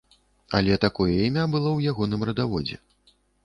Але такое імя было ў ягоным радаводзе.